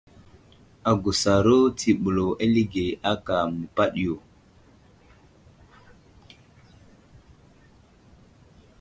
Agusaro tsiɓlo alige áka məpaɗiyo.